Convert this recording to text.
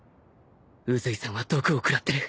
宇髄さんは毒を食らってる。